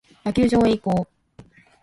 野球場へ移行。